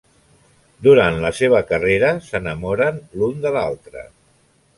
Durant la seva carrera, s'enamoren l’un de l'altre.